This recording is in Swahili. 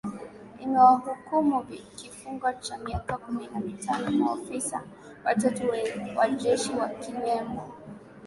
imewahukumu kifungo cha miaka kumi na mitano maofisa watatu wajeshi wakiwemo